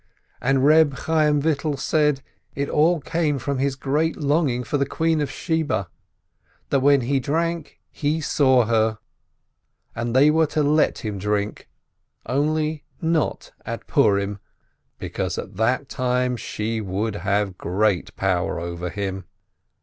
And Reb Chayyim Vital said, it all came from his great longing for the Queen of Sheba, that when he drank, he saw her ; and they were to let him drink, only not at Purim, because at that time she would have great power over him.